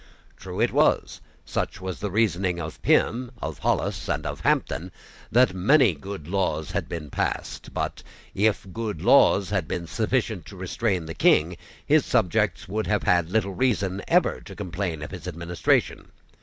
True it was, such was the reasoning of Pym, of Hollis, and of Hampden that many good laws had been passed: but, if good laws had been sufficient to restrain the King, his subjects would have had little reason ever to complain of his administration.